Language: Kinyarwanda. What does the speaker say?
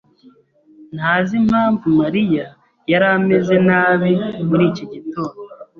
ntazi impamvu Mariya yari ameze nabi muri iki gitondo.